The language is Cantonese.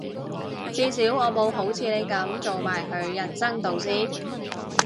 至少我冇好似你噉做埋佢人生導師